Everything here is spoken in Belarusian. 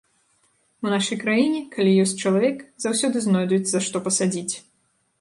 У нашай краіне, калі ёсць чалавек, заўсёды знойдуць, за што пасадзіць.